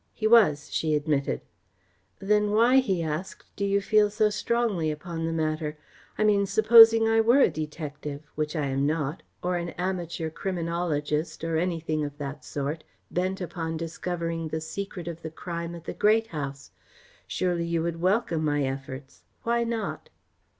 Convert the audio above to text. "He was," she admitted. "Then why," he asked, "do you feel so strongly upon the matter? I mean, supposing I were a detective which I am not or an amateur criminologist, or anything of that sort, bent upon discovering the secret of the crime at the Great House; surely you should welcome my efforts. Why not?"